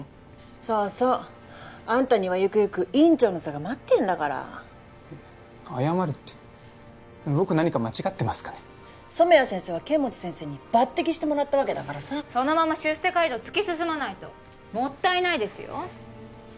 そうそうあんたにはゆくゆく院長の座が待ってんだから謝るって僕何か間違ってますかね染谷先生は剣持先生に抜てきしてもらったわけだからさそのまま出世街道を突き進まないともったいないですよ